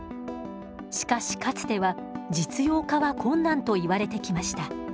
しかしかつては実用化は困難といわれてきました。